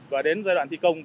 và đến giai đoạn thi công